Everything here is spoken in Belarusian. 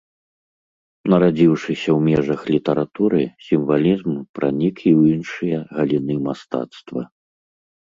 Нарадзіўшыся ў межах літаратуры, сімвалізм пранік і ў іншыя галіны мастацтва.